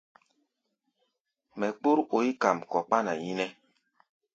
Mɛ kpór oí kam kɔ kpána yínɛ́.